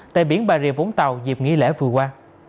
tại biển bà rịa vũng tàu dịp nghỉ lễ vừa qua